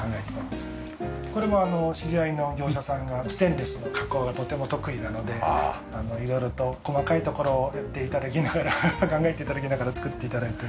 これも知り合いの業者さんがステンレスの加工がとても得意なので色々と細かいところをやって頂きながら考えて頂きながら作って頂いて。